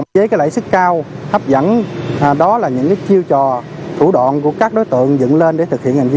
từ đầu năm đến nay